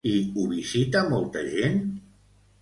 I ho visita molta gent?